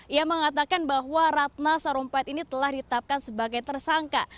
ia mengatakan bahwa ratna sarumpait ini telah ditetapkan sebagai tersangka